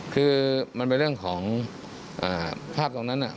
คือมันเป็นเรื่องของภาพตรงนั้น